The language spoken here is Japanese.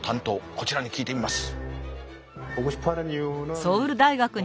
こちらに聞いてみます。